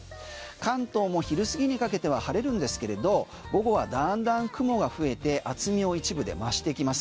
関東も昼過ぎにかけては晴れるんですけれど午後はだんだん雲が増えて厚みを一部で増してきます。